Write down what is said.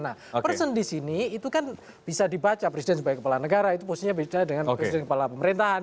nah person di sini itu kan bisa dibaca presiden sebagai kepala negara itu posisinya beda dengan presiden kepala pemerintahan